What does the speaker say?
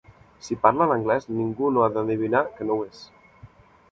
Si parla en anglès ningú no ha d'endevinar que no ho és.